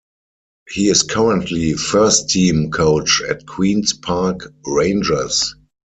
He is currently first-team coach at Queens Park Rangers.